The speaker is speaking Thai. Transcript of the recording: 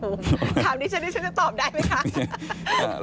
ถามดิฉันที่ฉันจะตอบได้ไหมคะ